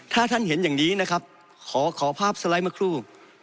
ถ้าท่านเห็นอย่างนี้นะครับขอภาพสไลด์เมื่อครู